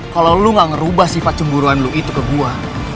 kalau lo gak ngerubah sifat cemburuan lo itu ke gue